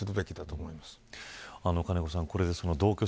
金子さん